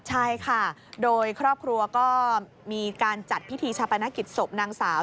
ใช่ค่ะโดยครอบครัวก็มีการจัดพิธีชาปนกิจศพนางสาว